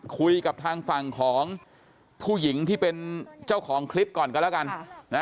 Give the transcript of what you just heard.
คุยกับทางฝั่งของผู้หญิงที่เป็นเจ้าของคลิปก่อนกันแล้วกัน